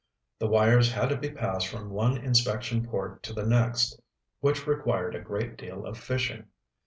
The wires had to be passed from one inspection port to the next, which required a great deal of fishing.